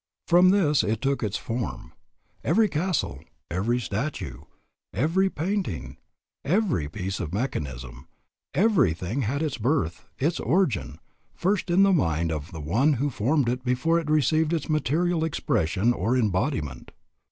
From this it took its form. Every castle, every statue, every painting, every piece of mechanism, everything had its birth, its origin, first in the mind of the one who formed it before it received its material expression or embodiment.